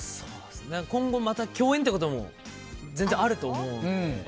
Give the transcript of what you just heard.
今後また共演ということも全然あると思うので。